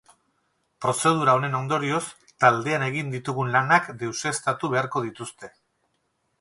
Prozedura honen ondorioz, taldean egin ditugun lanak deuseztatu beharko dituzte.